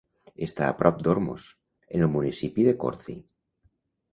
Està a prop d'Ormos, en el municipi de Korthi.